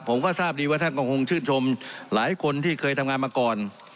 ผมก็ทราบดีว่าท่านก็คงชื่นชมหลายคนที่เคยทำงานมาก่อน